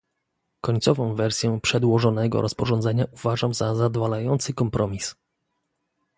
Końcową wersję przedłożonego rozporządzenia uważam za zadowalający kompromis